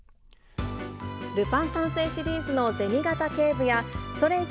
ルパン三世シリーズの銭形警部や、それいけ！